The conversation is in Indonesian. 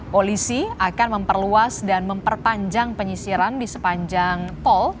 polisi akan memperluas dan memperpanjang penyisiran di sepanjang tol